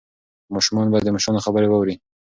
ماشومان باید د مشرانو خبرې واوري.